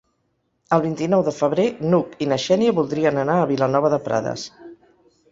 El vint-i-nou de febrer n'Hug i na Xènia voldrien anar a Vilanova de Prades.